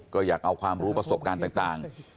ก็อยากเอาความรู้ประสบการณ์ต่าง